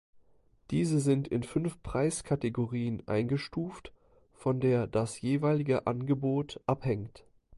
Diese sind in fünf Preiskategorien eingestuft, von der das jeweilige Angebot abhängt.